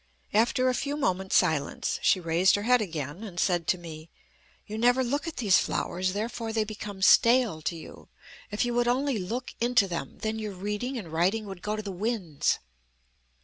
After a few moments' silence she raised her head again, and said to me: "You never look at these flowers; therefore they become stale to you. If you would only look into them, then your reading and writing would go to the winds."